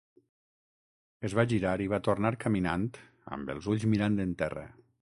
Es va girar i va tornar caminant amb els ulls mirant en terra.